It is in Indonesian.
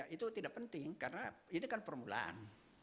itu tidak penting karena ini kan permulaan